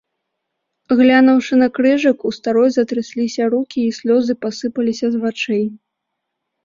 Глянуўшы на крыжык, у старой затрэсліся рукі, і слёзы пасыпаліся з вачэй.